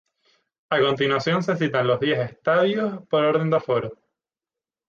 A continuación se citan los diez estadios por orden de aforo.